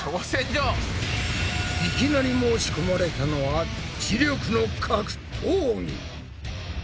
いきなり申し込まれたのは知力の格闘技！